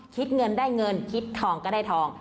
คิดเงินได้เงินคิดทองก็ได้ทอง